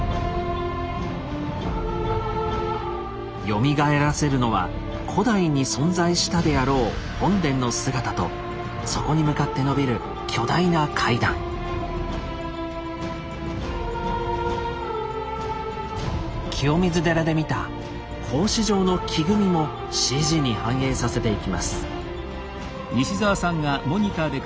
よみがえらせるのは古代に存在したであろう本殿の姿と清水寺で見た格子状の木組みもＣＧに反映させていきます。